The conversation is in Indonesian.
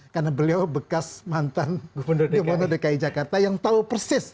karena beliau bekas mantan gubernur dki jakarta yang tahu persis